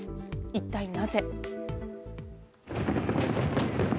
一体なぜ。